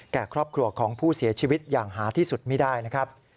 แก่ครอบครัวของผู้เสียชีวิตอย่างหาที่สุดไม่ได้นะครับ